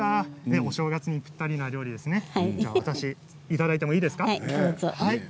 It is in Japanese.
お正月にぴったりのお料理ですね、いただいてもいいですか。